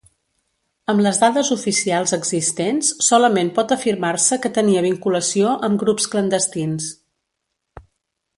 Amb les dades oficials existents, solament pot afirmar-se que tenia vinculació amb grups clandestins.